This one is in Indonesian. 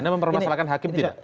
anda mempermasalahkan hakim tidak